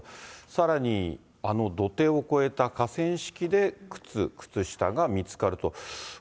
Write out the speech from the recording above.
さらにあの土手を越えた河川敷で靴、靴下が見つかると。